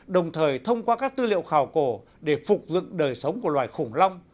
đồng thời thông qua các tư liệu khảo cổ để phục dựng đời sống của loài khủng long